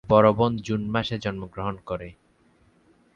তার বড় বোন জুন মাসে জন্মগ্রহণ করে।